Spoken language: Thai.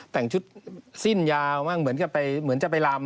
แต่งชุดสิ้นยาวมันเหมือนจะไปรำ